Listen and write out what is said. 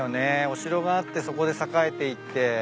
お城があってそこで栄えていって。